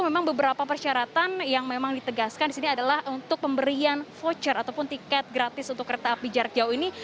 memang beberapa persyaratan yang memang ditegaskan di sini adalah untuk pemberian voucher ataupun tiket gratis untuk kereta api jarak jauh ini